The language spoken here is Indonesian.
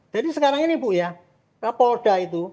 jadi sekarang ini bu ya kapolda itu